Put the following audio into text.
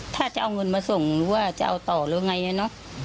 ถ้าจะเอาเงินมาส่งหรือว่าจะเอาต่อหรือไงเนอะ